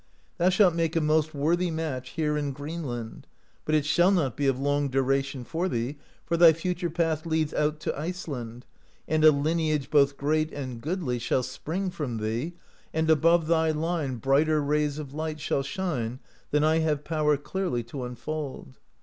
Thou shalt make a most worthy match here in Greenland, but it shall not be of long duration for thee, for thy future path leads out to Iceland, and a lineage both great and goodly shall spring from thee, and above thy line brighter rays of light shall shine than I have powder clearly to unfold.